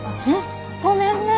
ごめんね。